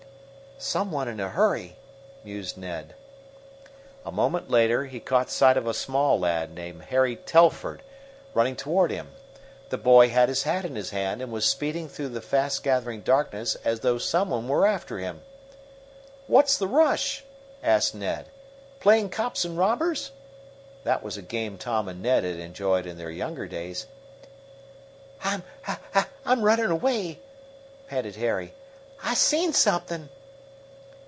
"Some one in a hurry," mused Ned. A moment later he caught sight of a small lad named Harry Telford running toward him. The boy had his hat in his hand, and was speeding through the fast gathering darkness as though some one were after him. "What's the rush?" asked Ned. "Playing cops and robbers?" That was a game Tom and Ned had enjoyed in their younger days. "I I'm runnin' away!" panted Harry. "I I seen something!"